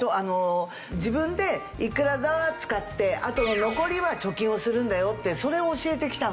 自分でいくらかは使ってあとの残りは貯金をするんだよってそれを教えてきたので。